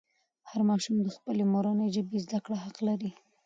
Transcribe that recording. هر ماشوم د خپلې مورنۍ ژبې زده کړه حق لري.